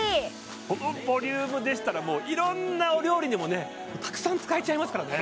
このボリュームでしたらもういろんなお料理にもねたくさん使えちゃいますからね